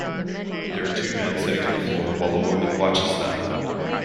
There are two men sitting on the floor while a woman watches them.